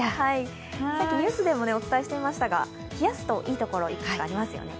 さっきニュースでもお伝えしていましたが冷やすといいところ、いくつかありますよね。